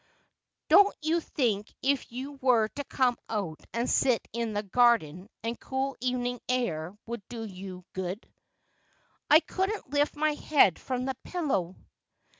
' Don't you think if you were to come out and sit in the garden the cool evening air would do you good ?'' I couldn't lift my head from the pillow.'